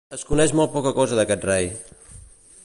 Es coneix molt poca cosa d'aquest rei.